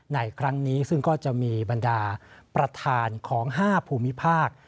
ในครั้งนี้ซึ่งก็จะมีบรรดาประธานของ๕ภูมิภาค